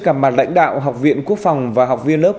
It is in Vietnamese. gặp mặt lãnh đạo học viện quốc phòng và học viên lớp